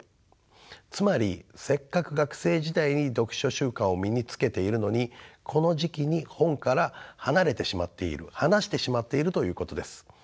つまりせっかく学生時代に読書習慣を身につけているのにこの時期に本から離れてしまっている離してしまっているということです。